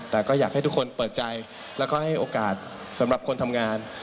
แต่ก็อยากให้ทุกคนเปิดใจแล้วก็ให้โอกาสสำหรับคนทำงาน